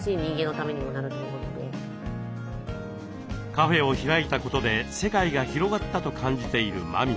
カフェを開いたことで世界が広がったと感じている麻美さん。